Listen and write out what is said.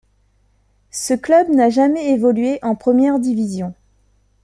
Ce club n'a jamais évolué en première division.